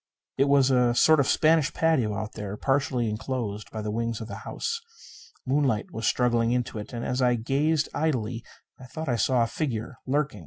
It was a sort of Spanish patio out there, partially enclosed by the wings of the house. Moonlight was struggling into it. And, as I gazed idly, I thought I saw a figure lurking.